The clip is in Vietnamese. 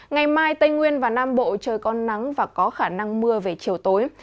ngày mai tây nguyên và nam bộ trời có nắng và có khả năng mưa về chiều tối